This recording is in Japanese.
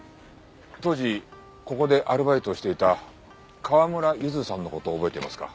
当時ここでアルバイトをしていた川村ゆずさんの事を覚えていますか？